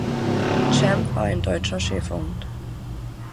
Champ war ein Deutscher Schäferhund.